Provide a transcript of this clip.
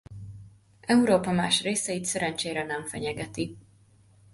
Európa más részeit szerencsére nem fenyegeti.